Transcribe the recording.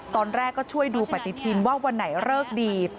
ตอนแรกก็ช่วยดูปฏิทินว่าวันไหนเลิกดี